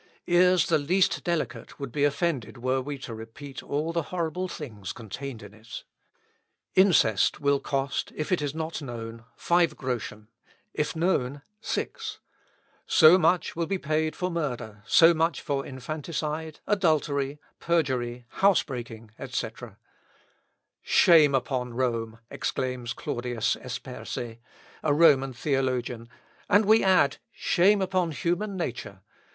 Ears the least delicate would be offended were we to repeat all the horrible things contained in it. Incest will cost, if it is not known, five groschen, if known, six; so much will be paid for murder, so much for infanticide, adultery, perjury, house breaking, etc. "Shame upon Rome," exclaims Claudius Esperse, a Roman theologian, and we add, Shame upon human nature!